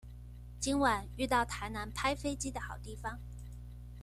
今晚遇到台南拍飛機的好地方